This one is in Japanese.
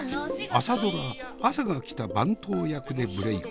朝ドラ「あさが来た」番頭役でブレーク。